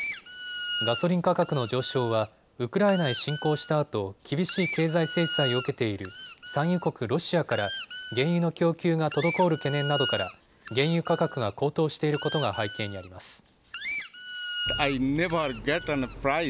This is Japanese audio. ガソリン価格の上昇はウクライナへ侵攻したあと厳しい経済制裁を受けている産油国ロシアから原油の供給が滞る懸念などから原油価格が高騰していることが背景にあります。